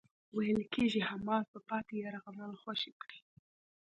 ویل کېږی حماس به پاتې يرغمل خوشي کړي.